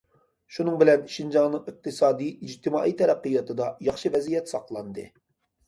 شۇنىڭ بىلەن، شىنجاڭنىڭ ئىقتىسادىي، ئىجتىمائىي تەرەققىياتىدا ياخشى ۋەزىيەت ساقلاندى.